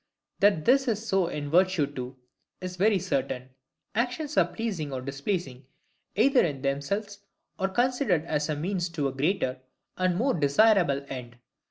That this is so in virtue too, is very certain. Actions are pleasing or displeasing, either in themselves, or considered as a means to a greater and more desirable end.